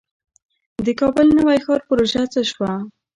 د کابل نوی ښار پروژه څه شوه؟